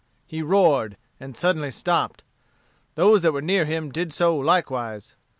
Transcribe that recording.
He roared, and suddenly stopped. Those that were near him did so likewise.